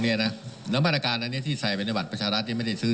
เนี้ยนะแล้วบ้านราการอันนี้ที่ใส่เป็นในบัตรประชารัฐยังไม่ได้ซื้อ